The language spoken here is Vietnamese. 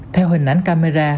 theo hình ảnh camera